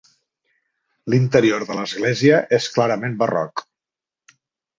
L'interior de l'església és clarament barroc.